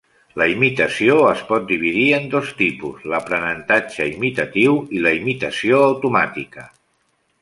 La imitació es pot dividir en dos tipus: l'aprenentatge imitatiu i la imitació automàtica.